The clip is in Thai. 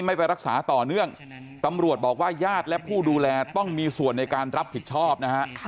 ไม่ไปรักษาต่อเนื่องตำรวจบอกว่าญาติและผู้ดูแลต้องมีส่วนในการรับผิดชอบนะฮะ